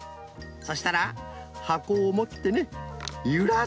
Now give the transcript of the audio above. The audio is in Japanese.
そしたらはこをもってねゆらすんです。